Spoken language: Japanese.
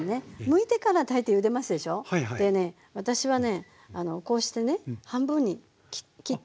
私はねこうしてね半分に切って。